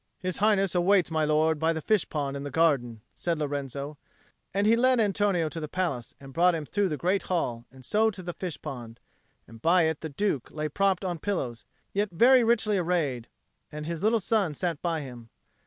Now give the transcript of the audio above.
"His Highness awaits my lord by the fish pond in the garden," said Lorenzo; and he led Antonio to the palace and brought him through the great hall and so to the fish pond; and by it the Duke lay propped on pillows, yet very richly arrayed; and his little son sat by him.